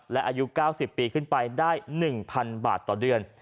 และอายุเก้าสิบปีขึ้นไปได้หนึ่งพันบาทต่อเดือน